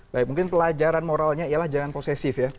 baik mungkin pelajaran moralnya ialah jangan posesif ya